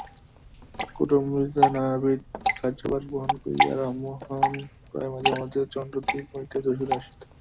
কুটুম্বিতার নানাবিধ কার্যভার বহন করিয়া রামমােহন প্রায় মাঝে মাঝে চন্দ্রদ্বীপ হইতে যশােহরে আসিত।